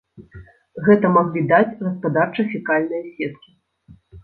Гэта маглі даць гаспадарча-фекальныя сеткі.